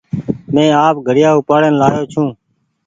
مينٚ آپ گھڙيآ اُپآڙين لآيو ڇوٚنٚ